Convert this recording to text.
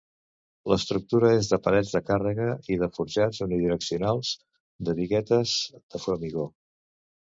L'estructura és de parets de càrrega i de forjats unidireccionals de biguetes de formigó.